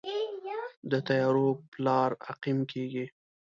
د تیارو پلار عقیم کیږي